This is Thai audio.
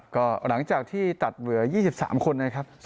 ก็หลังจากที่ตัดเหลือ๒๓คนนะครับ